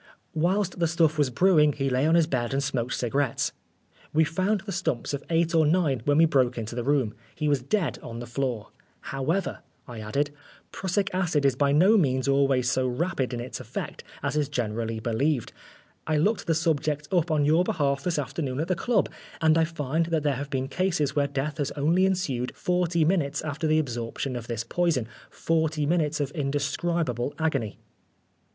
Whilst the stuff was brewing he lay on his bed and smoked cigarettes. We found the stumps of eight or nine when we broke into the room. He was dead, on the floor. However," I added, " prussic acid is by no means always so rapid in its effect as is 157 Oscar Wilde generally believed. I looked the subject up on your behalf this afternoon at the club, and I find there have been cases where death has only ensued forty minutes after the absorption of this poison forty minutes of indescribable agony."